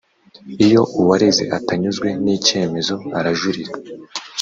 iyo uwareze atanyuzwe n’ icyemezo arajurira.